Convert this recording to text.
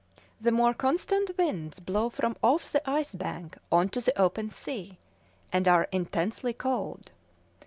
The more constant winds blow from off the ice bank on to the open sea, and are intensely cold.